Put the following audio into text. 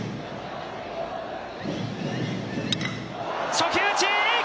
初球打ちー！